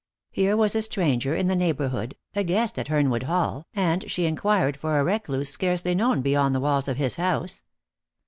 Here was a stranger in the neighbourhood, a guest at Hernwood Hall, and she inquired for a recluse scarcely known beyond the walls of his house.